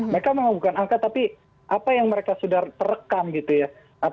mereka memang bukan angka tapi apa yang mereka sudah terekam gitu ya